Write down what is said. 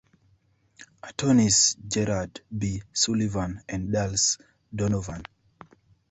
Attorneys Gerard B. Sullivan and Dulce Donovan.